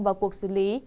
vào cuộc xử lý